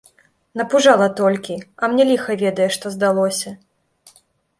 Напужала толькі, а мне ліха ведае што здалося.